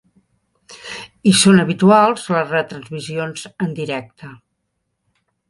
Hi són habituals les retransmissions en directe.